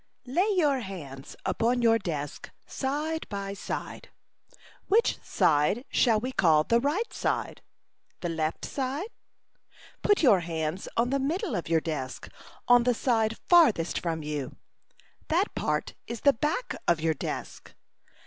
Lay your hands upon your desk, side by side. Which side shall we call the right side? The left side? Put your hands on the middle of your desk on the side farthest from you. That part is the back of your desk.